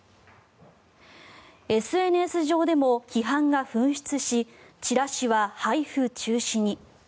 ＳＮＳ上でも批判が噴出しチラシは配布中止に。